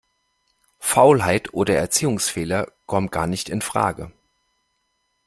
Faulheit oder Erziehungsfehler kommen gar nicht infrage.